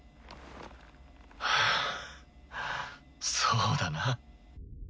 はぁそうだな。